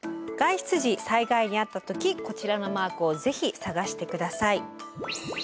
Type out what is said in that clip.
外出時災害に遭った時こちらのマークをぜひ探して下さい。